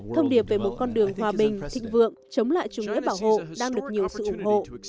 thông điệp về một con đường hòa bình thịnh vượng chống lại chủ nghĩa bảo hộ đang được nhiều sự ủng hộ